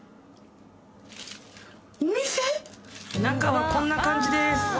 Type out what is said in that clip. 中はこんな感じです。